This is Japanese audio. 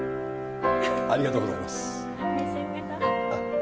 ありがとうございます。